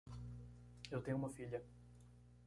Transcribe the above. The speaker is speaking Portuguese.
Eu tenho uma filha.